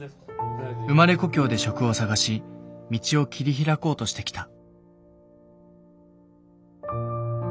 生まれ故郷で職を探し道を切り開こうとしてきた。